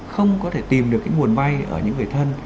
không có thể tìm được cái nguồn vay ở những người thân